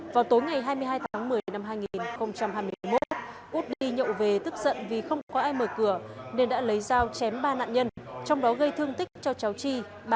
vào tối ngày hai mươi hai tháng một mươi năm hai nghìn hai mươi một út đi nhậu về tức giận vì không có ai mở cửa nên đã lấy dao chém ba nạn nhân trong đó gây thương tích cho cháu chi ba mươi